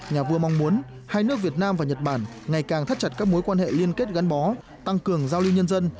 nhà vua mong muốn hai nước việt nam và nhật bản ngày càng thắt chặt các mối quan hệ liên kết gắn bó tăng cường giao lưu nhân dân